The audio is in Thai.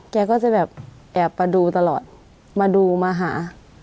แกก็จะแบบแอบมาดูตลอดมาดูมาหา